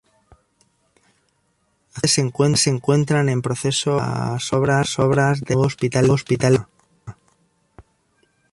Actualmente se encuentran en proceso las obras del nuevo Hospital de Calama.